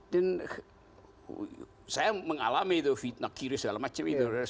dan saya mengalami fitnah kiri segala macam itu